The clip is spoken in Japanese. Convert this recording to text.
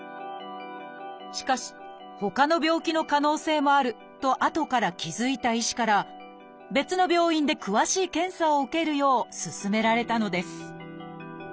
しかしほかの病気の可能性もあるとあとから気付いた医師から別の病院で詳しい検査を受けるようすすめられたのです